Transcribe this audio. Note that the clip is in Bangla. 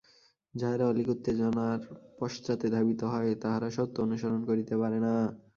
যাহারা অলীক উত্তেজনার পশ্চাতে ধাবিত হয়, তাহারা সত্য অনুসরণ করিতে পারে না।